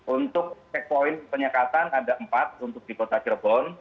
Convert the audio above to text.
untuk checkpoint penyekatan ada empat untuk di kota cirebon